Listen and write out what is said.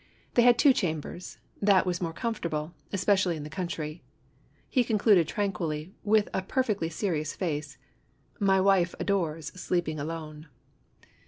They had two chambers; that was more comfortable, especially in the country. He concluded tranquilly, with a perfectly serious face :" My wife adores sleeping alone."